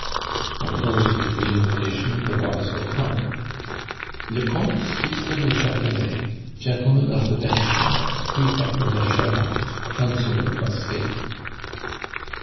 P." Enclosed with the invitation there was a card LE COMTE SIXTE DU CHATELET, Gentleman of the Bedchamber, Prefect of the Charente, Councillor of State.